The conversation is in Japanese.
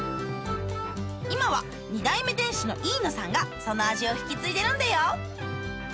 今は２代目店主の飯野さんがその味を引き継いでるんだよ